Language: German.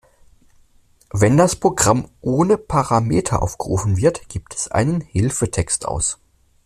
Wenn das Programm ohne Parameter aufgerufen wird, gibt es einen Hilfetext aus.